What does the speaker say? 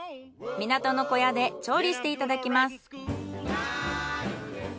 港の小屋で調理していただきます。